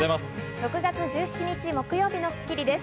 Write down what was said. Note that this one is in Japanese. ６月１７日、木曜日の『スッキリ』です。